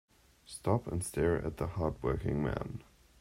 Stop and stare at the hard working man.